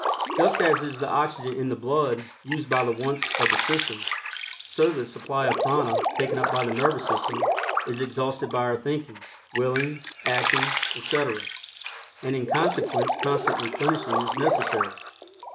Just as is the oxygen in the blood used up by the wants of the system, so the supply of prana taken up by the nervous system is exhausted by our thinking, willing, acting, etc., and in consequence constant replenishing is necessary.